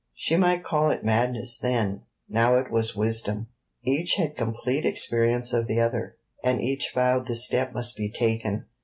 She might call it madness then: now it was wisdom. Each had complete experience of the other, and each vowed the step must be taken.